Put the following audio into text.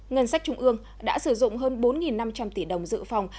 ngân sách trung ương đã sử dụng hơn bốn năm trăm linh tỷ đồng dự phòng